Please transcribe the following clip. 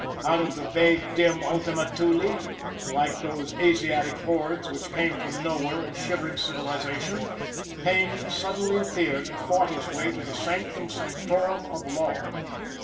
Out of the vague, dim ultima thule, like those Asiatic hordes which came from nowhere and shivered civilization, Payne suddenly appeared and fought his way to the sanctum sanctorum of law.